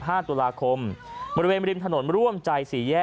โอ้โหออกมาจากการไปซื้อของเห็นอย่างนี้ก็ตกใจสิครับ